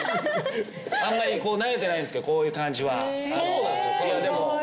あんまり慣れてないんすけどこういう感じはへぇ意外